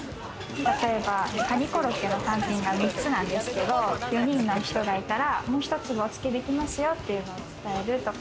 例えばカニコロッケ、１皿３つなんですけれども、４人の人がいたら、もう１つおつけできますよっていうのを伝えるとか。